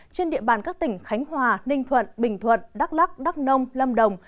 trên địa bàn các tỉnh khánh hòa ninh thuận bình thuận đắk lắc đắk nông lâm đồng